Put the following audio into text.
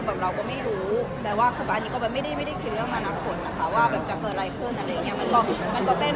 แต่ว่าคืออันนี้ก็แบบไม่ได้คิดเรื่องอนาคตนะคะว่าแบบจะเกิดอะไรขึ้นอะไรอย่างเงี้ย